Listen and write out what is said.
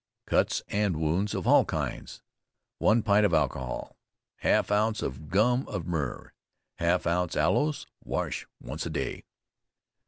CUTS AND WOUNDS OF ALL KINDS. One pint of alcohol, half ounce of gum of myrrh, half ounce aloes, wash once a day.